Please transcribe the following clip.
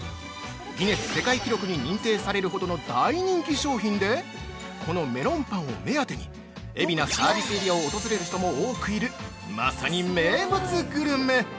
ギネス世界記録に認定されるほどの大人気商品で、このメロンパンを目当てに海老名サービスエリアを訪れる人も多くいる、まさに名物グルメ！